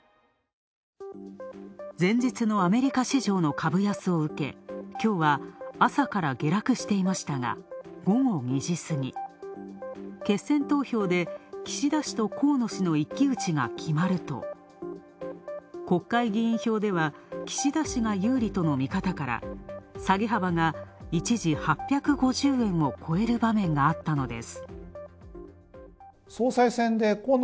前日のアメリカ市場の株安を受け、きょうは朝から下落していましたが、午後２時過ぎ、決選投票で岸田氏と河野氏の一騎打ちが決まると、国会議員票では岸田氏が有利との見方から下げ幅が一時、８５０円を超える場面があったのです。